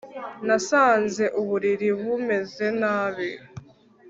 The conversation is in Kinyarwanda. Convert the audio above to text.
Nasanze uburiri bumeze neza